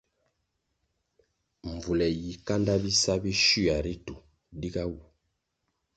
Mbvule yi kanda bisa bi shywia ritu diga wu.